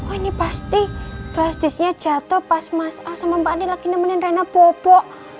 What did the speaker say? oh ini pasti flash disknya jatuh pas mas al sama mbak andien lagi nemenin raina bobo